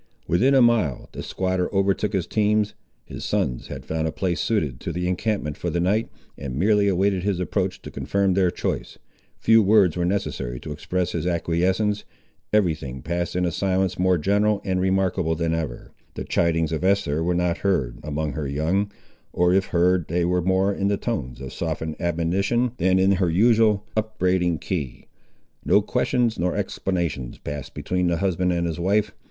Within a mile, the squatter overtook his teams. His sons had found a place suited to the encampment for the night, and merely awaited his approach to confirm their choice. Few words were necessary to express his acquiescence. Every thing passed in a silence more general and remarkable than ever. The chidings of Esther were not heard among her young, or if heard, they were more in the tones of softened admonition, than in her usual, upbraiding, key. No questions nor explanations passed between the husband and his wife.